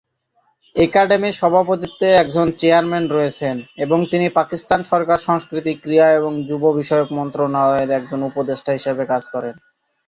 একাডেমির সভাপতিত্বে একজন চেয়ারম্যান রয়েছেন এবং তিনি পাকিস্তান সরকার সংস্কৃতি, ক্রীড়া ও যুব বিষয়ক মন্ত্রণালয়ের একজন উপদেষ্টা হিসাবে কাজ করেন।